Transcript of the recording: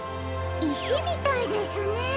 いしみたいですね。